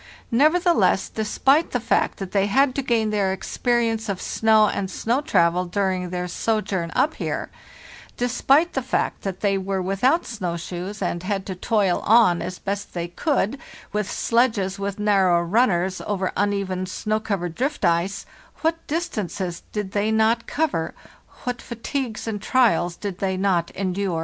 Nevertheless, despite the fact that they had to gain their experience of snow and snow travel during their sojourn up here; despite the fact that they were without snow shoes and had to toil on as_ best they could with sledges with narrow runners over uneven snow covered drift 1ice—what distances did they not cover, what fatigues and trials did they not endure!